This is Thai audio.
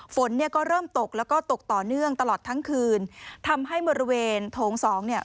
ฝนเนี่ยก็เริ่มตกแล้วก็ตกต่อเนื่องตลอดทั้งคืนทำให้บริเวณโถงสองเนี่ย